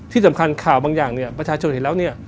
ที่สำคัญข่าวบางอย่างประชาชนเห็นแล้ว